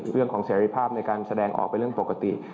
เรื่องของเสรีภาพในการแสดงออกเป็นเรื่องปกติ